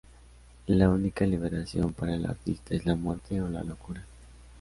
La única liberación para el artista es la muerte o la locura.